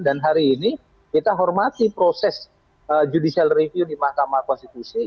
dan hari ini kita hormati proses judicial review di mahkamah konstitusi